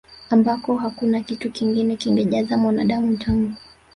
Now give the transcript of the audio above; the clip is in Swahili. ambako hakuna kitu kingine kingejaza Mwanadamu tangu